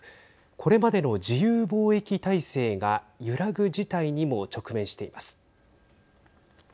これまでの自由貿易体制が揺らぐ事態にも直面しています。